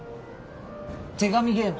手紙ゲーム